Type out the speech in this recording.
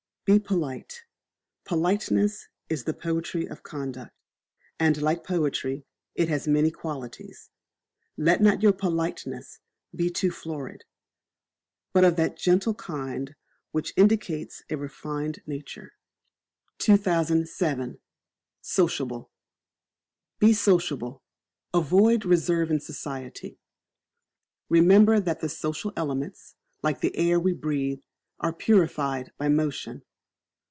Be Polite. Politeness is the poetry of conduct and like poetry, it has many qualities. Let not your politeness be too florid, but of that gentle kind which indicates a refined nature. 2007. Sociable. Be Sociable avoid reserve in society. Remember that the social elements, like the air we breathe, are purified by motion.